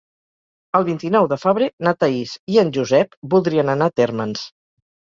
El vint-i-nou de febrer na Thaís i en Josep voldrien anar a Térmens.